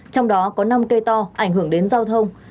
trong đó có năm cây to ảnh hưởng đến giao thông